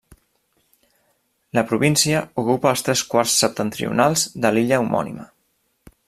La província ocupa els tres quarts septentrionals de l'illa homònima.